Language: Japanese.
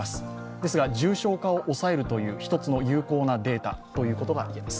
ですが重症化を抑えるという１つの有効なデータといえます。